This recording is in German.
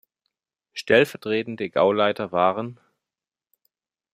Stellvertretende Gauleiter waren